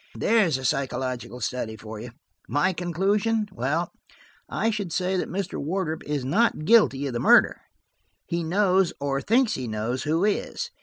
There is a psychological study for you! My conclusion? Well, I should say that Mr. Wardrop is not guilty of the murder. He knows, or thinks he knows, who is.